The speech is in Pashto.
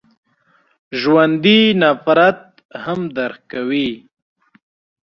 ژوندي نفرت هم درک کوي